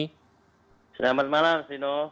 selamat malam sino